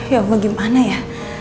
ya allah gimana ya